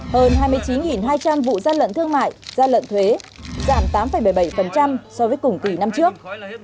hơn hai mươi chín hai trăm linh vụ gian lận thương mại gian lận thuế giảm tám bảy mươi bảy so với cùng kỳ năm trước